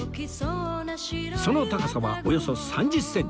その高さはおよそ３０センチ